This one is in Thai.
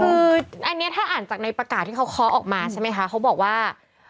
คืออันนี้ถ้าอ่านจากในประกาศที่เขาเคาะออกมาใช่ไหมคะเขาบอกว่า